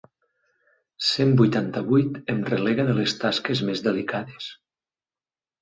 Cent vuitanta-vuit em relega de les tasques més delicades.